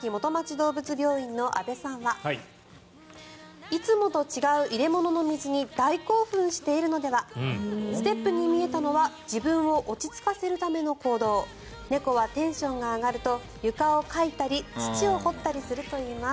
どうぶつ病院の阿部さんはいつもと違う入れ物の水に大興奮しているのではステップに見えたのは自分を落ち着かせるための行動猫はテンションが上がると床をかいたり土を掘ったりするといいます。